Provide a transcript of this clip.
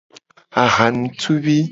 Ahanutuvi.